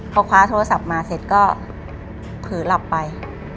พอคว้าโทรศัพท์มาเสร็จก็ถือหลับไป